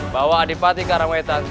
bahwa adipati karangwetan